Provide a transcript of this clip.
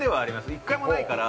一回もないから。